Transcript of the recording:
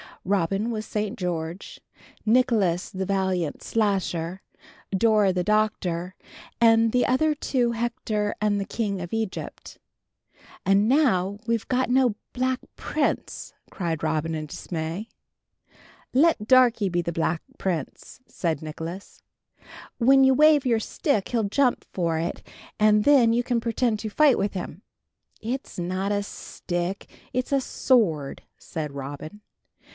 Robin was St. George, Nicholas the valiant Slasher, Dora the Doctor, and the other two Hector and the King of Egypt. "And now we've no Black Prince!" cried Robin in dismay. "Let Darkie be the Black Prince," said Nicholas. "When you wave your stick he'll jump for it, and then you can pretend to fight with him." "It's not a stick, it's a sword," said Robin.